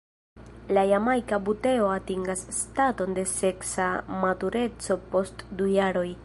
La Jamajka buteo atingas staton de seksa matureco post du jaroj.